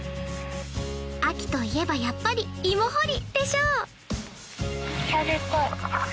秋といえばやっぱり芋掘りでしょ！